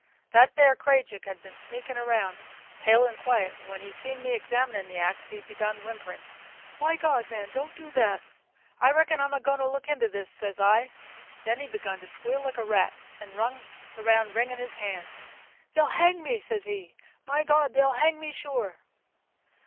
That there Krajiek had been sneakin' round, pale and quiet, and when he seen me examinin' the axe, he begun whimperin', 'My God, man, don't do that!' 'I reckon I'm a goin' to look into this,' says I. Then he begun to squeal like a rat and run about wringin' his hands. 'They'll hang me!' says he. 'My God, they'll hang me sure!